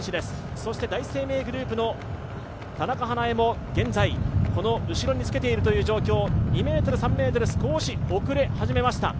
そして第一生命グループの田中華絵も現在、この後につけているという状況、２ｍ、３ｍ少し遅れ始めました。